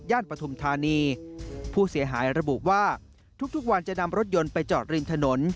ปฐุมธานีผู้เสียหายระบุว่าทุกวันจะนำรถยนต์ไปจอดริมถนน